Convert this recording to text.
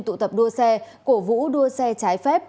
tụ tập đua xe cổ vũ đua xe trái phép